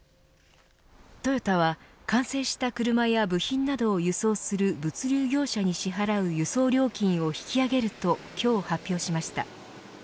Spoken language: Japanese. トヨタは完成した車や部品などを輸送する物流業者に支払う輸送料金を引き上げると今日発表しました。